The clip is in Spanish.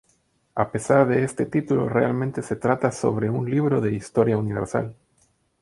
A pesar de este título, realmente se trata sobre un libro de Historia Universal.